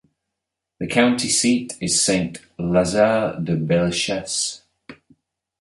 The county seat is Saint-Lazare-de-Bellechasse.